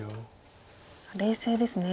冷静ですね。